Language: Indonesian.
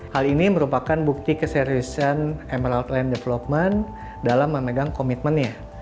hal ini merupakan bukti keseriusan emerald land development dalam memegang komitmennya